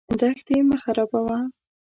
دښتې مه خرابوه.